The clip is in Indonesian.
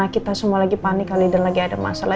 dia ya gak ngerti apa apa